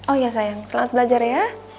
oh ya sayang selamat belajar ya